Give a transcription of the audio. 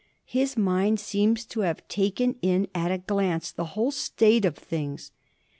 His mind seems to have taken in at a glance the whole state of things.